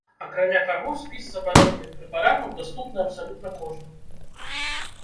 Акрамя таго, спіс забароненых прэпаратаў даступны абсалютна кожнаму.